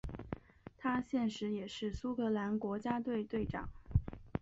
他现时也是苏格兰国家队队长。